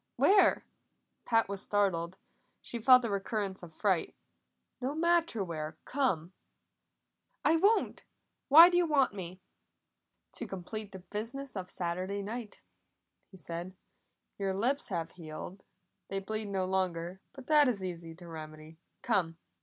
"Where?" Pat was startled; she felt a recurrence of fright. "No matter where. Come." "I won't! Why do you want me?" "To complete the business of Saturday night," he said. "Your lips have healed; they bleed no longer, but that is easy to remedy. Come."